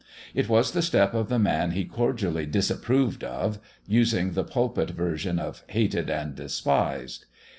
It was the step of the man he cordially "disapproved of," using the pulpit version of "hated and despised."